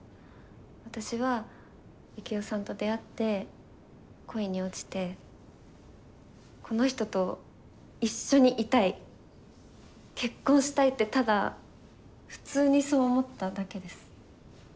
私はユキオさんと出会って恋に落ちてこの人と一緒にいたい結婚したいってただ普通にそう思っただけです。